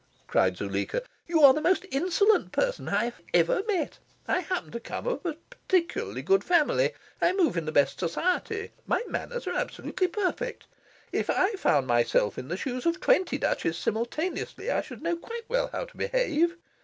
cried Zuleika. "You are the most insolent person I have ever met. I happen to come of a particularly good family. I move in the best society. My manners are absolutely perfect. If I found myself in the shoes of twenty Duchesses simultaneously, I should know quite well how to behave.